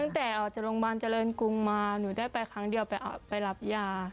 ตั้งแต่ออกจากโรงพยาบาลเจริญกรุงมาหนูได้ไปครั้งเดียวไปรับยา